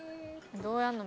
「どうやんの？